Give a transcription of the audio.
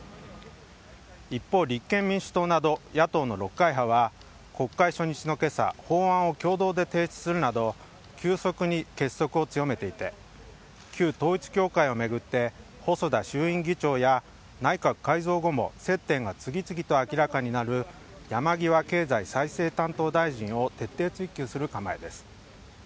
一方、立憲民主党など野党の６会派は、国会初日のけさ、法案を共同で提出するなど、急速に結束を強めていて、旧統一教会を巡って、細田衆院議長や内閣改造後も接点が次々と明らかになる山際経済再生担当大臣を徹底追及する構えです。